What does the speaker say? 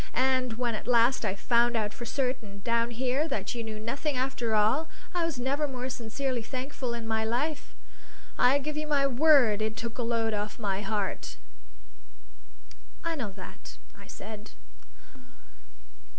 And when at last I found out for certain, down here, that you knew nothing after all, I was never more sincerely thankful in my life. I give you my word it took a load off my heart." "I know that," I said.